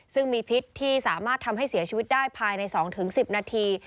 ซึ่งมีพิษที่สามารถทำให้เสียชีวิตได้ภายใน๒๑๐นาที